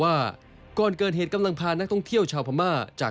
อย่าพ่นมีชีวิตของตัวต่างความละมือ